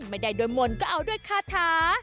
ไม่ได้ด้วยมนต์ก็เอาด้วยคาถา